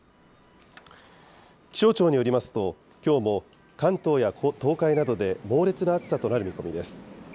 気象庁によりますと、きょうも関東や東海などで猛烈な暑さとなる見込みです。